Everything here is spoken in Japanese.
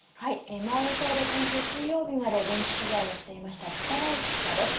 マウイ島で今週水曜日まで現地取材をしていました力石記者です。